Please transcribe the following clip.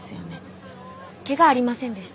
けがありませんでした？